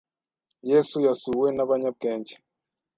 Yesu yasuwe n abanyabwenge